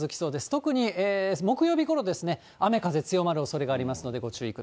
特に木曜日ごろですね、雨風強まるおそれがありますので、ご注意